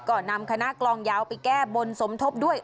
ก็นำคณะกลองยาวไปแก้บนสมทบด้วย